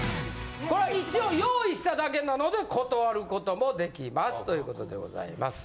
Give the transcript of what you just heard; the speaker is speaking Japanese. これは一応用意しただけなので断ることもできますということでございます。